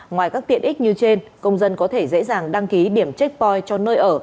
ngoài các tiện ích như trên công dân có thể dễ dàng đăng ký điểm checkpoin cho nơi ở